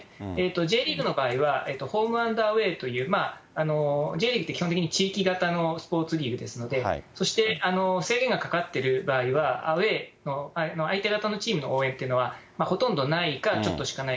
Ｊリーグの場合は、ホームアンドアウエーという、Ｊリーグって基本的に、地域型のスポーツリーグですので、そして、制限がかかってる場合は、アウエーの、相手方のチームの応援っていうのはほとんどないか、ちょっとしかない。